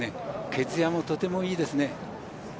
毛づやも、とてもいいですね。